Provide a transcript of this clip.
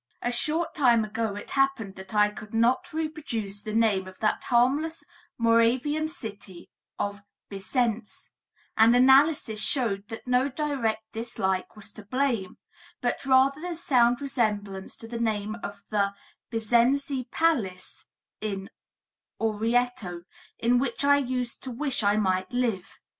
A short time ago it happened that I could not reproduce the name of that harmless Moravian city of Bisenz, and analysis showed that no direct dislike was to blame, but rather the sound resemblance to the name of the Bisenzi palace in Orrieto, in which I used to wish I might live.